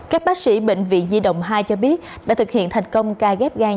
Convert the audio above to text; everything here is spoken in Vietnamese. các bác sĩ bệnh viện di động hai cho biết đã thực hiện thành công ca ghép gan